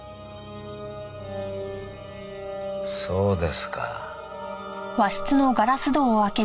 そうですか。